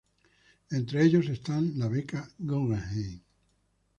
Entre ellos están la Beca Guggenheim.